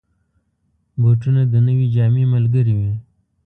بوټونه د نوې جامې ملګري وي.